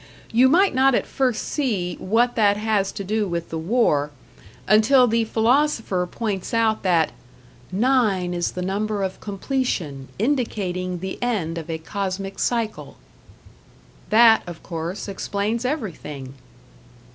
You might not at first see what that has to do with the War until the Philosopher points out that "9 is the number of completion, indicating the end of a cosmic cycle." That, of course, explains everything.